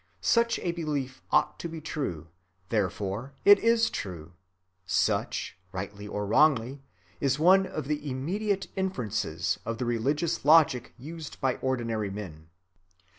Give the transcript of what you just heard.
Such a belief ought to be true; therefore it is true—such, rightly or wrongly, is one of the "immediate inferences" of the religious logic used by ordinary men.